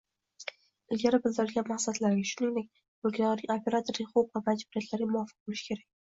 ilgari bildirilgan maqsadlarga, shuningdek mulkdorning va operatorning huquq va majburiyatlariga muvofiq bo‘lishi kerak.